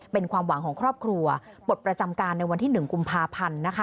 เป็นความหวังของครอบครัวปลดประจำการในวันที่๑กุมภาพันธ์นะคะ